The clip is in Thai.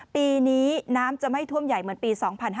ปีนี้น้ำจะไม่ท่วมใหญ่เหมือนปี๒๕๕๙